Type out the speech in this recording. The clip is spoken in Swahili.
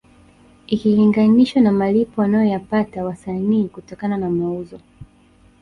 Ikilinganishwa na malipo wanayoyapata wasanii kutokana na mauzo